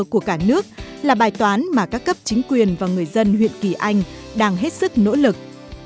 trào lửa túi mưa của cả nước là bài toán mà các cấp chính quyền và người dân huyện kỳ anh đang hết sức nỗ lực